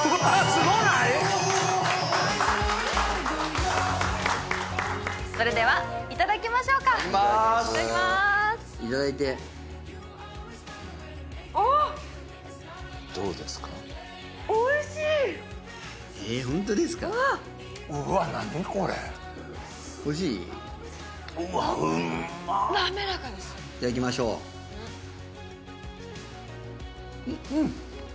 滑らかですいただきましょううん！